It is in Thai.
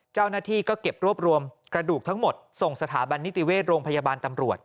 เจ้าหน้าที่ก็เก็บรวบรวมกระดูกทั้งหมดส่งสถาบันนิติเวชโรงพยาบาลตำรวจ